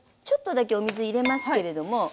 ちょっとだけお水入れますけれども。